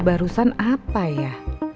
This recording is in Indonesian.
barusan apa ya